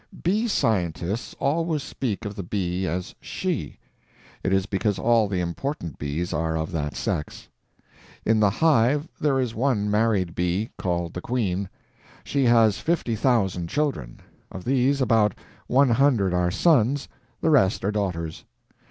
Bee scientists always speak of the bee as she. It is because all the important bees are of that sex. In the hive there is one married bee, called the queen; she has fifty thousand children; of these, about one hundred are sons; the rest are daughters.